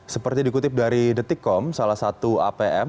seperti dikutip dari detikkom salah satu apm